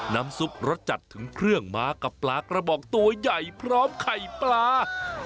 น้ำซุปรสจัดถึงเครื่องมากับปลากระบอกตัวใหญ่พร้อมไข่ปลา